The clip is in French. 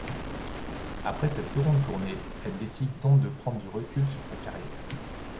Après cette seconde tournée, elle décide donc de prendre du recul sur sa carrière.